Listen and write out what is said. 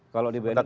kalau di bnn